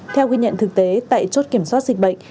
theo ghi nhận thực tế tại chốt kiểm soát dịch bệnh